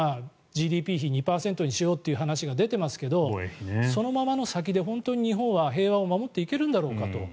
今、ＧＤＰ比２％にしようという出ていますけどそのままの先で本当に日本は平和を守っていけるんだろうかと。